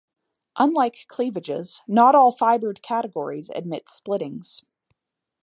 Unlike cleavages, not all fibred categories admit splittings.